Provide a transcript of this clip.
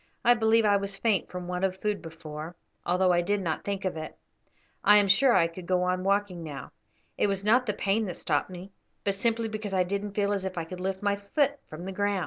"I believe I was faint from want of food before, although I did not think of it. I am sure I could go on walking now. It was not the pain that stopped me, but simply because I didn't feel as if I could lift my foot from the ground.